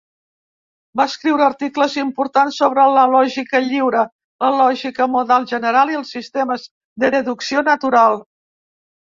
Va escriure articles importants sobre la lògica lliure, la lògica modal general i els sistemes de deducció natural.